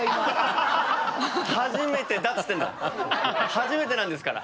初めてなんですから。